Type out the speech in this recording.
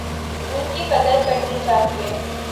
ان کی قدر کرنی چاہیے۔